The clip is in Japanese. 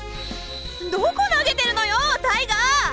どこ投げてるのよタイガー！